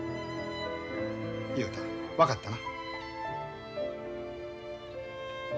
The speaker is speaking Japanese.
雄太分かったな？